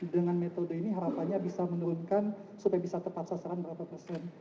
dengan metode ini harapannya bisa menurunkan supaya bisa tepat sasaran berapa persen